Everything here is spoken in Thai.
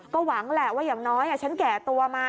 ก็หวังแหละว่าอย่างน้อยฉันแก่ตัวมา